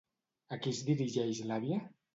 A qui es dirigeix l'àvia?